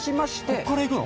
ここから行くの？